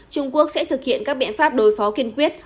trung quốc sẽ thực hiện các biện pháp đối phó kiên quyết